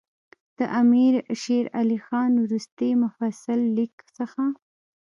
د امیر شېر علي خان وروستي مفصل لیک څخه.